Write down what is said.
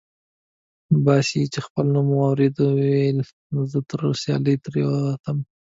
باسي چې خپل نوم واورېد وې ویل: نه، زه تر سیالۍ تېر یم.